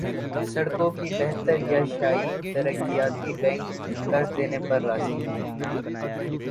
سڑکوں کی بہتریایشیائی ترقیاتی بینک قرض دینے پر راضی